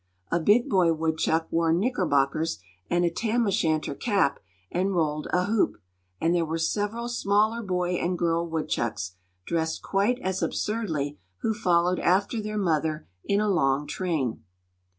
A big boy woodchuck wore knickerbockers and a Tam o' Shanter cap and rolled a hoop; and there were several smaller boy and girl woodchucks, dressed quite as absurdly, who followed after their mother in a long train.